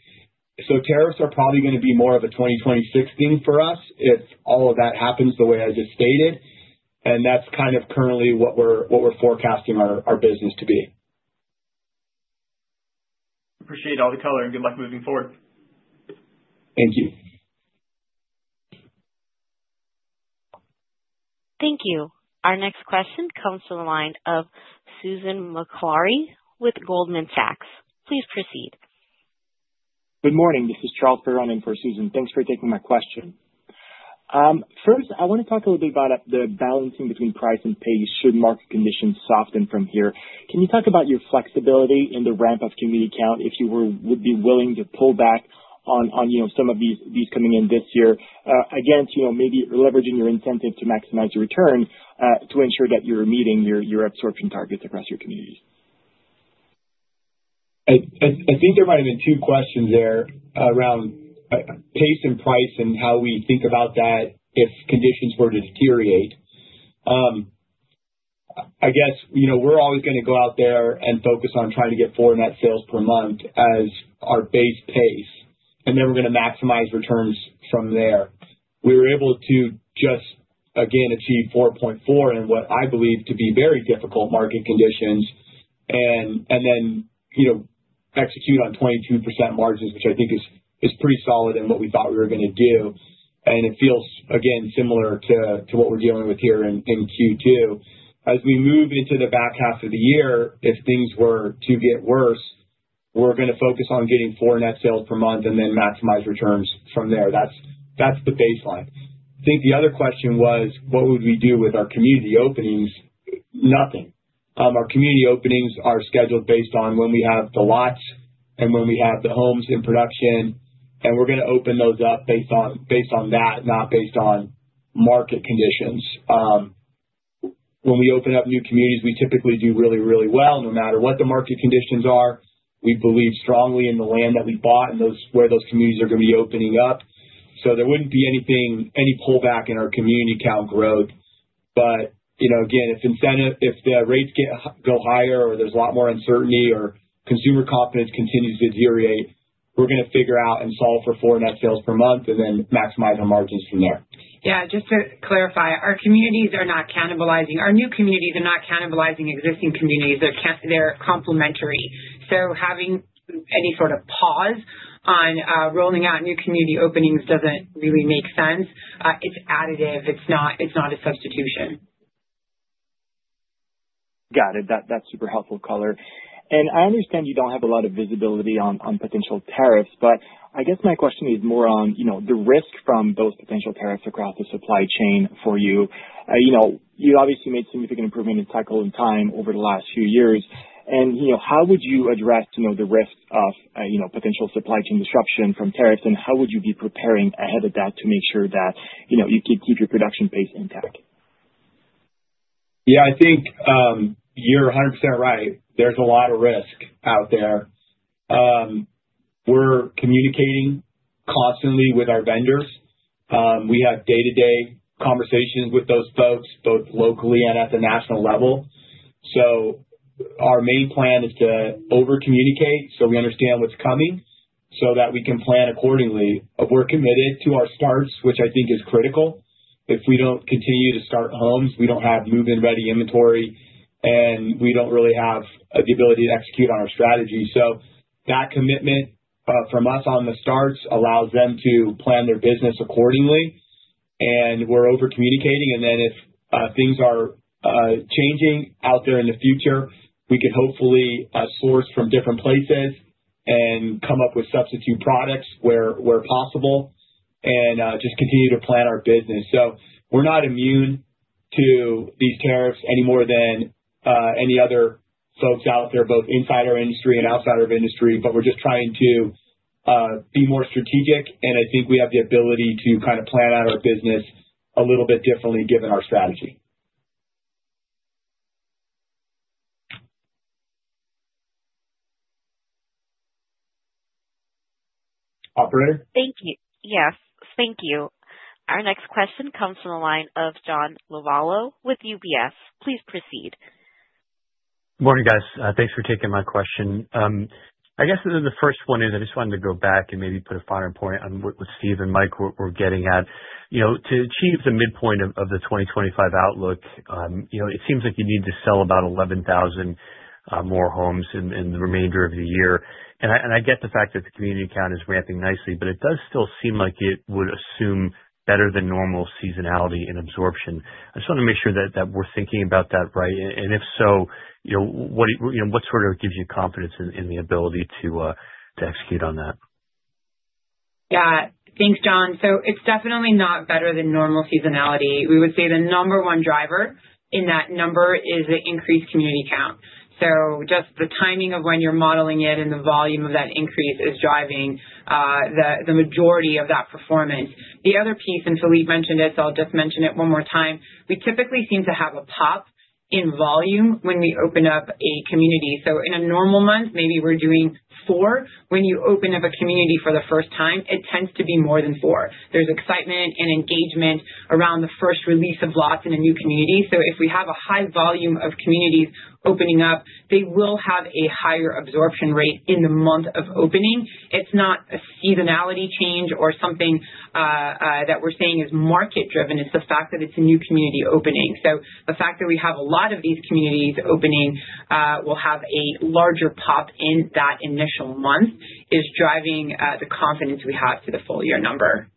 Tariffs are probably going to be more of a 2026 thing for us if all of that happens the way I just stated. That is kind of currently what we are forecasting our business to be. Appreciate all the color and good luck moving forward. Thank you. Thank you. Our next question comes from the line of Susan Maklari with Goldman Sachs. Please proceed. Good morning. This is Charles Perrone for Susan. Thanks for taking my question. First, I want to talk a little bit about the balancing between price and pay. Should market conditions soften from here, can you talk about your flexibility in the ramp-up community count, if you would be willing to pull back on some of these coming in this year against maybe leveraging your incentive to maximize your return to ensure that you're meeting your absorption targets across your communities? I think there might have been two questions there around pace and price and how we think about that if conditions were to deteriorate. I guess we're always going to go out there and focus on trying to get four net sales per month as our base pace. Then we're going to maximize returns from there. We were able to just, again, achieve 4.4 in what I believe to be very difficult market conditions and then execute on 22% margins, which I think is pretty solid in what we thought we were going to do. It feels, again, similar to what we're dealing with here in Q2. As we move into the back half of the year, if things were to get worse, we're going to focus on getting four net sales per month and then maximize returns from there. That's the baseline. I think the other question was, what would we do with our community openings? Nothing. Our community openings are scheduled based on when we have the lots and when we have the homes in production. We're going to open those up based on that, not based on market conditions. When we open up new communities, we typically do really, really well. No matter what the market conditions are, we believe strongly in the land that we bought and where those communities are going to be opening up. There would not be any pullback in our community count growth. Again, if the rates go higher or there is a lot more uncertainty or consumer confidence continues to deteriorate, we are going to figure out and solve for four net sales per month and then maximize our margins from there. Yeah. Just to clarify, our communities are not cannibalizing. Our new communities are not cannibalizing existing communities. They are complementary. Having any sort of pause on rolling out new community openings does not really make sense. It is additive. It is not a substitution. Got it. That is super helpful color. I understand you do not have a lot of visibility on potential tariffs. I guess my question is more on the risk from those potential tariffs across the supply chain for you. You obviously made significant improvement in cycle time over the last few years. How would you address the risk of potential supply chain disruption from tariffs? How would you be preparing ahead of that to make sure that you keep your production pace intact? Yeah. I think you're 100% right. There's a lot of risk out there. We're communicating constantly with our vendors. We have day-to-day conversations with those folks, both locally and at the national level. Our main plan is to over-communicate so we understand what's coming so that we can plan accordingly. We're committed to our starts, which I think is critical. If we don't continue to start homes, we don't have move-in ready inventory, and we don't really have the ability to execute on our strategy. That commitment from us on the starts allows them to plan their business accordingly. We're over-communicating. If things are changing out there in the future, we could hopefully source from different places and come up with substitute products where possible and just continue to plan our business. We're not immune to these tariffs any more than any other folks out there, both inside our industry and outside of industry. We're just trying to be more strategic. I think we have the ability to kind of plan out our business a little bit differently given our strategy. Operator? Thank you. Yes. Thank you. Our next question comes from the line of John Lovallo with UBS. Please proceed. Good morning, guys. Thanks for taking my question. I guess the first one is I just wanted to go back and maybe put a finer point on what Steve and Mike were getting at. To achieve the midpoint of the 2025 outlook, it seems like you need to sell about 11,000 more homes in the remainder of the year. I get the fact that the community count is ramping nicely, but it does still seem like it would assume better than normal seasonality and absorption. I just want to make sure that we're thinking about that right. If so, what sort of gives you confidence in the ability to execute on that? Yeah. Thanks, John. It's definitely not better than normal seasonality. We would say the number one driver in that number is the increased community count. Just the timing of when you're modeling it and the volume of that increase is driving the majority of that performance. The other piece, and Phillippe mentioned it, so I'll just mention it one more time. We typically seem to have a pop in volume when we open up a community. In a normal month, maybe we're doing four. When you open up a community for the first time, it tends to be more than four. There's excitement and engagement around the first release of lots in a new community. If we have a high volume of communities opening up, they will have a higher absorption rate in the month of opening. It's not a seasonality change or something that we're saying is market-driven. It's the fact that it's a new community opening. The fact that we have a lot of these communities opening will have a larger pop in that initial month is driving the confidence we have to the full-year number.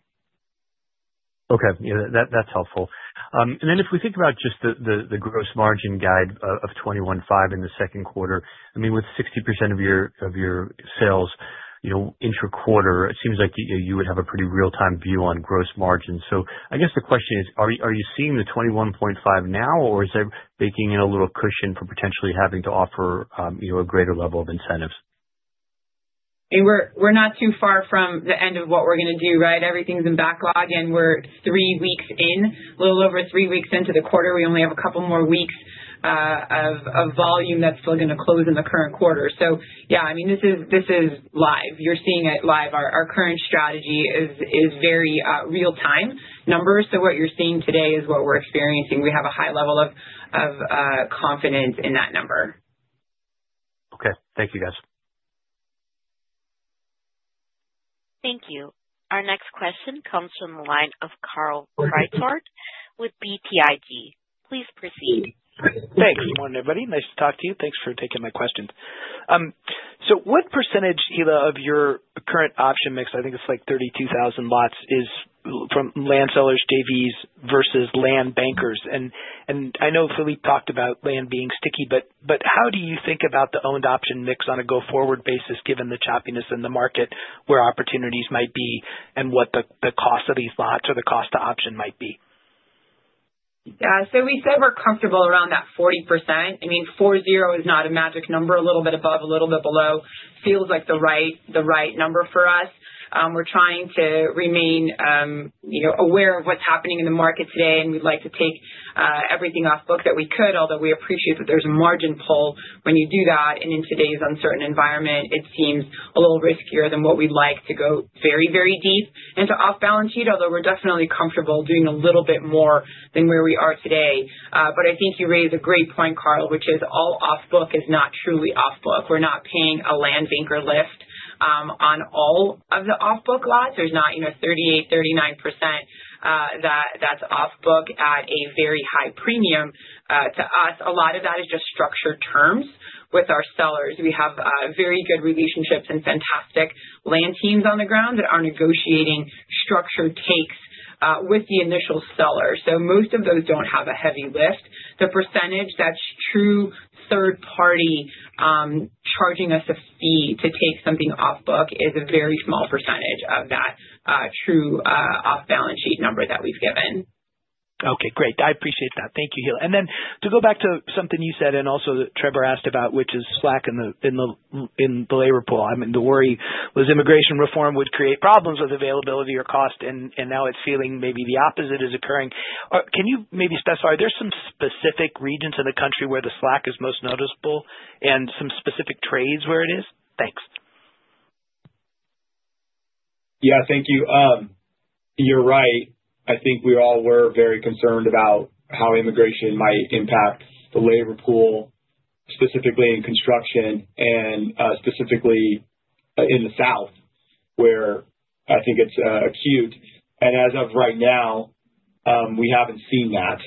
Okay. Yeah. That's helpful. And then if we think about just the gross margin guide of 21.5% in the second quarter, I mean, with 60% of your sales intra-quarter, it seems like you would have a pretty real-time view on gross margins. I guess the question is, are you seeing the 21.5% now, or is there baking in a little cushion for potentially having to offer a greater level of incentives? We're not too far from the end of what we're going to do, right? Everything's in backlog, and we're three weeks in, a little over three weeks into the quarter. We only have a couple more weeks of volume that's still going to close in the current quarter. Yeah, I mean, this is live. You're seeing it live. Our current strategy is very real-time numbers. What you're seeing today is what we're experiencing. We have a high level of confidence in that number. Okay. Thank you, guys. Thank you. Our next question comes from the line of Carl Reichardt with BTIG. Please proceed. Thanks. Good morning, everybody. Nice to talk to you. Thanks for taking my questions. What percentage, Hilla, of your current option mix, I think it's like 32,000 lots, is from land sellers, JVs, versus land bankers? I know Phillippe talked about land being sticky, but how do you think about the owned option mix on a go-forward basis given the choppiness in the market where opportunities might be and what the cost of these lots or the cost to option might be? Yeah. We said we're comfortable around that 40%. I mean, 4-0 is not a magic number. A little bit above, a little bit below feels like the right number for us. We're trying to remain aware of what's happening in the market today, and we'd like to take everything off book that we could, although we appreciate that there's a margin pull when you do that. In today's uncertain environment, it seems a little riskier than what we'd like to go very, very deep into off-balance sheet, although we're definitely comfortable doing a little bit more than where we are today. I think you raise a great point, Carl, which is all off-book is not truly off-book. We're not paying a land banker lift on all of the off-book lots. There's not 38-39% that's off-book at a very high premium to us. A lot of that is just structured terms with our sellers. We have very good relationships and fantastic land teams on the ground that are negotiating structured takes with the initial seller. Most of those don't have a heavy lift. The percentage that's true third-party charging us a fee to take something off-book is a very small percentage of that true off-balance sheet number that we've given. Okay. Great. I appreciate that. Thank you, Hilla. To go back to something you said and also that Trevor asked about, which is slack in the labor pool. I mean, the worry was immigration reform would create problems with availability or cost, and now it's feeling maybe the opposite is occurring. Can you maybe specify? Are there some specific regions of the country where the slack is most noticeable and some specific trades where it is? Thanks. Yeah. Thank you. You're right. I think we all were very concerned about how immigration might impact the labor pool, specifically in construction and specifically in the South, where I think it's acute. As of right now, we haven't seen that.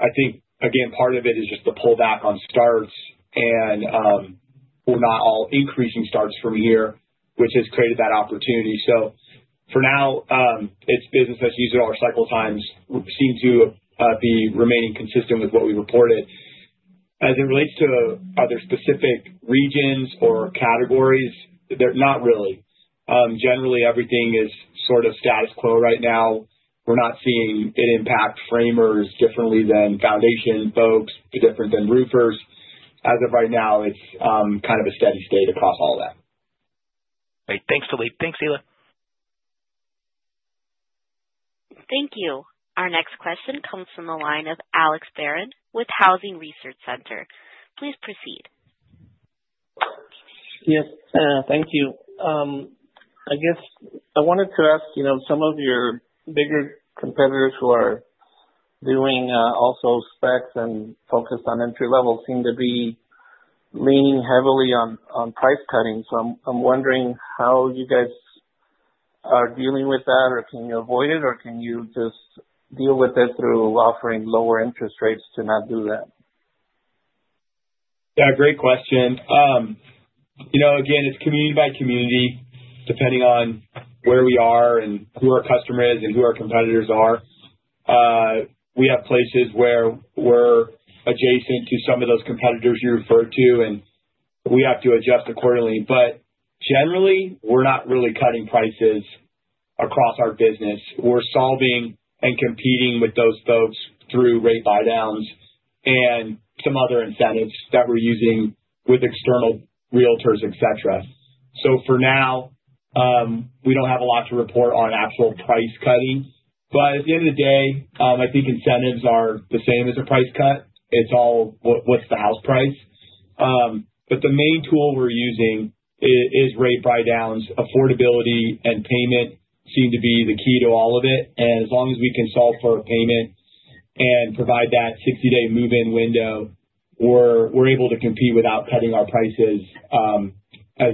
I think, again, part of it is just the pullback on starts and we're not all increasing starts from here, which has created that opportunity. For now, it's business as usual. Our cycle times seem to be remaining consistent with what we reported. As it relates to other specific regions or categories, not really. Generally, everything is sort of status quo right now. We're not seeing it impact framers differently than foundation folks, different than roofers. As of right now, it's kind of a steady state across all that. Great. Thanks, Phillippe. Thanks, Hilla. Thank you. Our next question comes from the line of Alex Barron with Housing Research Center. Please proceed. Yes. Thank you. I guess I wanted to ask some of your bigger competitors who are doing also specs and focused on entry-level seem to be leaning heavily on price cutting. I'm wondering how you guys are dealing with that, or can you avoid it, or can you just deal with it through offering lower interest rates to not do that? Yeah. Great question. Again, it's community by community depending on where we are and who our customer is and who our competitors are. We have places where we're adjacent to some of those competitors you referred to, and we have to adjust accordingly. Generally, we're not really cutting prices across our business. We're solving and competing with those folks through rate buydowns and some other incentives that we're using with external Realtors, etc. For now, we don't have a lot to report on actual price cutting. At the end of the day, I think incentives are the same as a price cut. It's all what's the house price. The main tool we're using is rate buydowns. Affordability and payment seem to be the key to all of it. As long as we can solve for a payment and provide that 60-day move-in window, we're able to compete without cutting our prices as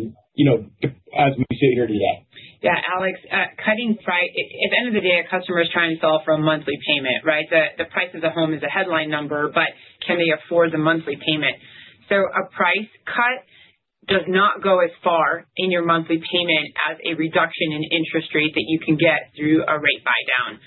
we sit here today. Yeah. Alex, cutting price, at the end of the day, a customer is trying to solve for a monthly payment, right? The price of the home is a headline number, but can they afford the monthly payment? A price cut does not go as far in your monthly payment as a reduction in interest rate that you can get through a rate buydown.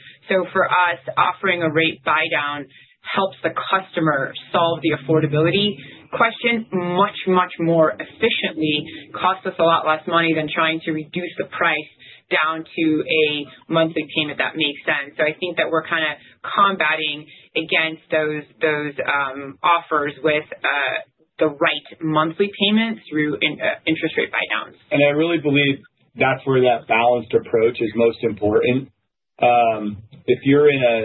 For us, offering a rate buydown helps the customer solve the affordability question much, much more efficiently, costs us a lot less money than trying to reduce the price down to a monthly payment that makes sense. I think that we're kind of combating against those offers with the right monthly payment through interest rate buydowns. I really believe that's where that balanced approach is most important. If you're in a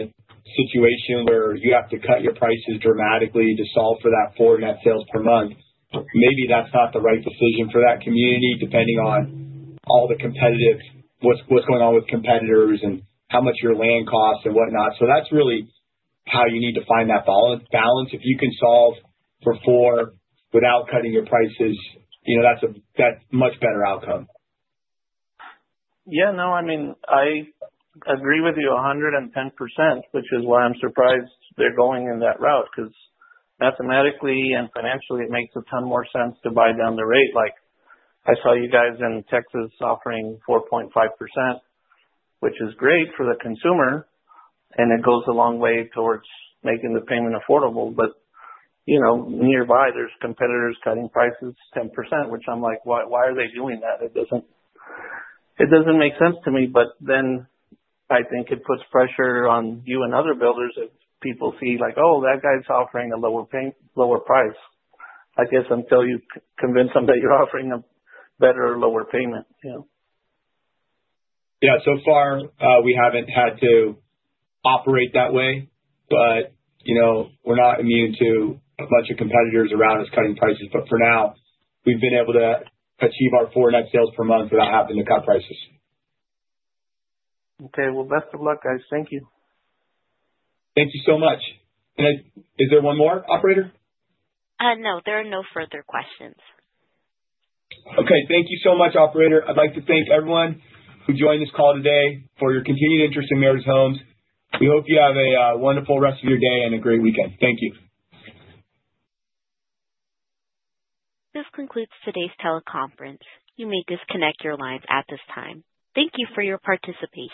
situation where you have to cut your prices dramatically to solve for that four net sales per month, maybe that's not the right decision for that community depending on all the competitive, what's going on with competitors, and how much your land costs and whatnot. That's really how you need to find that balance. If you can solve for four without cutting your prices, that's a much better outcome. Yeah. No, I mean, I agree with you 110%, which is why I'm surprised they're going in that route because mathematically and financially, it makes a ton more sense to buy down the rate. I saw you guys in Texas offering 4.5%, which is great for the consumer, and it goes a long way towards making the payment affordable. But nearby, there's competitors cutting prices 10%, which I'm like, "Why are they doing that?" It doesn't make sense to me. I think it puts pressure on you and other builders if people see like, "Oh, that guy's offering a lower price." I guess until you convince them that you're offering a better or lower payment. Yeah. So far, we haven't had to operate that way, but we're not immune to a bunch of competitors around us cutting prices. For now, we've been able to achieve our four net sales per month without having to cut prices. Okay. Best of luck, guys. Thank you. Thank you so much. Is there one more, Operator? No. There are no further questions. Okay. Thank you so much, Operator. I'd like to thank everyone who joined this call today for your continued interest in Meritage Homes.We hope you have a wonderful rest of your day and a great weekend. Thank you. This concludes today's teleconference. You may disconnect your lines at this time. Thank you for your participation.